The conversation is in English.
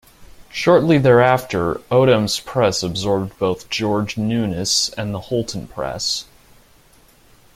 Shortly thereafter, Odhams Press absorbed both George Newnes and the Hulton Press.